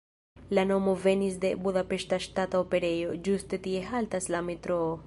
La nomo venis de Budapeŝta Ŝtata Operejo, ĝuste tie haltas la metroo.